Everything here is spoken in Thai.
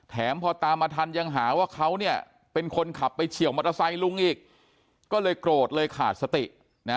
แถมพอตามมาทันยังหาว่าเขาเนี่ยเป็นคนขับไปเฉียวมอเตอร์ไซค์ลุงอีกก็เลยโกรธเลยขาดสตินะ